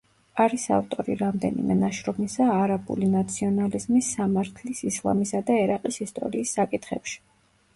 არის ავტორი რამდენიმე ნაშრომისა არაბული ნაციონალიზმის, სამართლის, ისლამისა და ერაყის ისტორიის საკითხებში.